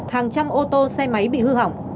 hàng trăm ô tô xe máy bị hư hỏng